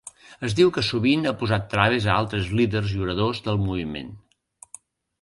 Es diu que sovint ha posat traves a altres líders i oradors del moviment.